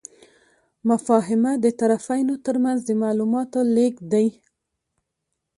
مفاهمه د طرفینو ترمنځ د معلوماتو لیږد دی.